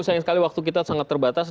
sayang sekali waktu kita sangat terbatas